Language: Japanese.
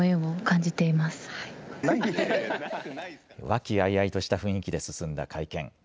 和気あいあいとした雰囲気で進んだ会見。